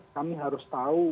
kami harus tahu